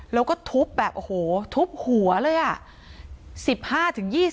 แล้วก็ทุบแบบโอ้โหทุบหัวเลยอ่ะ